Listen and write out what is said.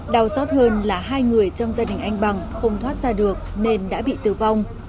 đau xót hơn là hai người trong gia đình anh bằng không thoát ra được nên đã bị tử vong